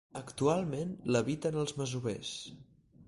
Actualment l'habiten els masovers.